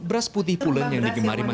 beras putih pulen yang digemari